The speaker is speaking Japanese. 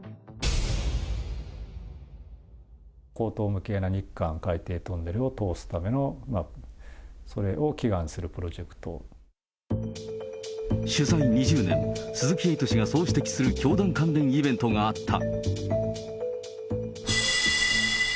荒唐無けいな日韓海底トンネルを通すための、それを祈願する取材２０年、鈴木エイト氏がそう指摘する教団関連イベントがあった。